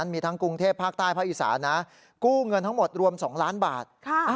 มีทั้งกรุงเทพภาคใต้ภาคอีสานะกู้เงินทั้งหมดรวม๒ล้านบาท